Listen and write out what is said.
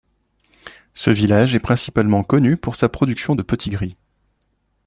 Ce village est principalement connu pour sa production de Petit-gris.